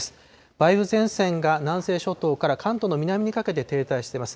梅雨前線が南西諸島から関東に南にかけて停滞しています。